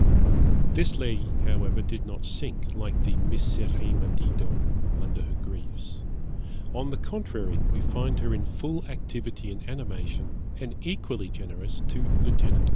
This lady, however, did not sink, like the 'miserrima Dido,' under her griefs; on the contrary, we find her in full activity and animation, and equally generous, to Lieut.